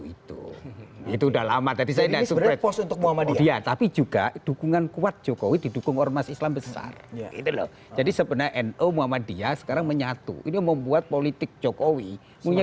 itu tidak terlalu besar risikonya